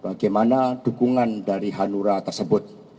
bagaimana dukungan dari hanura tersebut